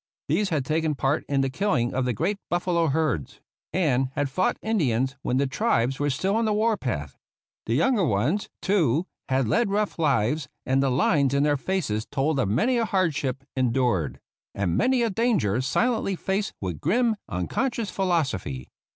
These had taken part in the killing of the great buffalo herds, and had fought Indians when the tribes were still on the war path. The younger ones, too, had led rough lives ; and the lines in their faces told of many a hardship endured, and many a danger silently faced with grim, unconscious philosophy.